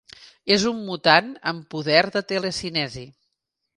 És un mutant amb poder de telecinesi.